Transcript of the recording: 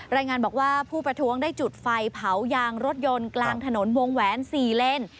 รายงานบอกว่าผู้ประท้วงได้จุดไฟเผายางรถยนต์กลางถนนวงแหวน๔เลน